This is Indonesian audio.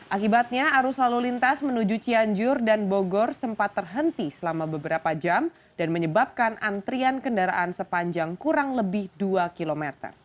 akibatnya arus lalu lintas menuju cianjur dan bogor sempat terhenti selama beberapa jam dan menyebabkan antrian kendaraan sepanjang kurang lebih dua km